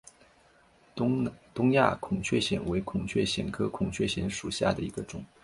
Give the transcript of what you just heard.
东亚孔雀藓为孔雀藓科孔雀藓属下的一个种。